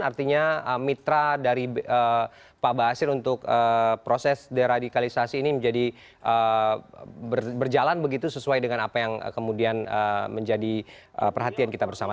artinya mitra dari pak basir untuk proses deradikalisasi ini menjadi berjalan begitu sesuai dengan apa yang kemudian menjadi perhatian kita bersama